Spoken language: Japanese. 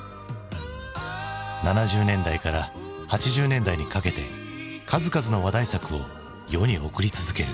７０年代から８０年代にかけて数々の話題作を世に送り続ける。